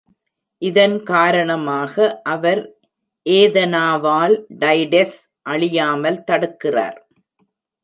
இதன் காரணமாக அவர் ஏதனாவால் டைடெஸ் அழியாமல் தடுக்கிறார்.